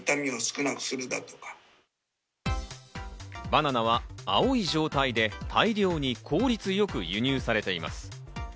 バナナは青い状態で大量に効率よく輸入されています。